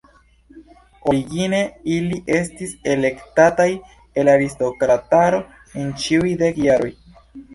Origine ili estis elektataj el aristokrataro en ĉiuj dek jaroj.